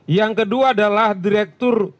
yang kedua adalah direktur